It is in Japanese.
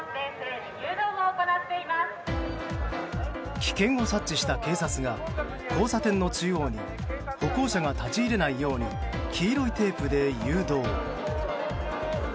危険を察知した警察が交差点の中央に歩行者が立ち入れないように黄色いテープで誘導。